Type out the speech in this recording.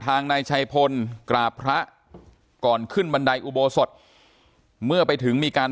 นายชัยพลกราบพระก่อนขึ้นบันไดอุโบสถเมื่อไปถึงมีการ